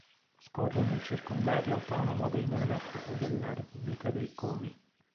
Scorre nel Circondario autonomo dei Nenec e nella Repubblica dei Komi.